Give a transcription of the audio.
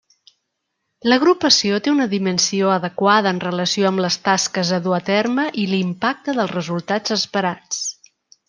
L'agrupació té una dimensió adequada en relació amb les tasques a dur a terme i l'impacte dels resultats esperats.